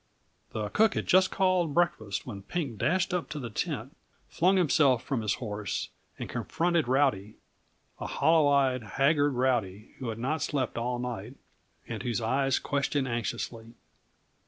The cook had just called breakfast when Pink dashed up to the tent, flung himself from his horse, and confronted Rowdy a hollow eyed, haggard Rowdy who had not slept all night, and whose eyes questioned anxiously.